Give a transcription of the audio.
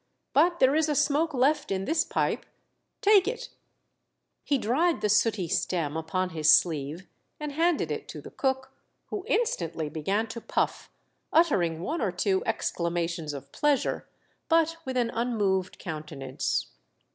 But there is a smoke left in this pipe; take it." WE SIGHT A SHIP. 225 He dried the sooty stem upon his sleeve, and handed it to the cook, who instantly began to puff, uttering one or two excla mations of pleasure, but with an unmoved countenance.